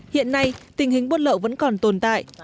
hiện nay tình hình buôn lậu vẫn còn tồn tại